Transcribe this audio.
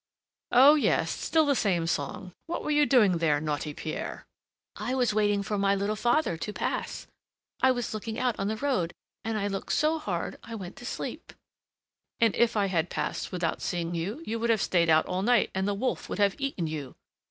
"Oh, yes! still the same song! what were you doing there, naughty Pierre?" "I was waiting for my little father to pass; I was looking out on the road, and I looked so hard I went to sleep." "And if I had passed without seeing you, you would have stayed out all night and the wolf would have eaten you!"